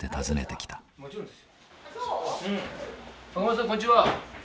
袴田さんこんにちは。